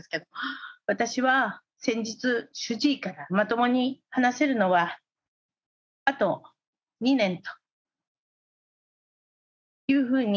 私は先日主治医から「まともに話せるのはあと２年」というふうに聞きました。